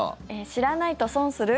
知らないと損する？